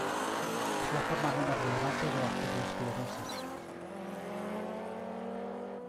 Es la forma menos relevante de arteriosclerosis.